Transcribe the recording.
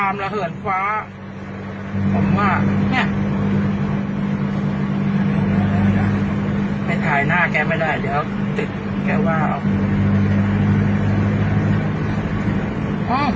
ไปถ่ายหน้าแกไม่ได้เดี๋ยวติดแกว่า